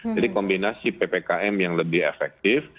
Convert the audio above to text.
jadi kombinasi ppkm yang lebih efektif